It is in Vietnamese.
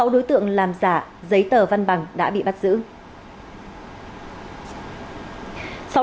sáu đối tượng làm giả giấy tờ văn bằng đã bị bắt giữ